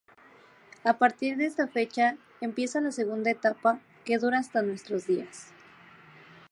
A partir de esta fecha, empieza la segunda etapa, que dura hasta nuestros días.